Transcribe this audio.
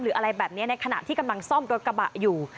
อะไรแบบนี้ในขณะที่กำลังซ่อมรถกระบะอยู่